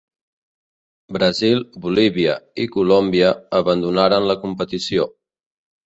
Brasil, Bolívia, i Colòmbia abandonaren la competició.